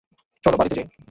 চল বাড়িতে যাই।